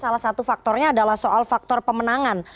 salah satu faktornya adalah soal faktor pemenangan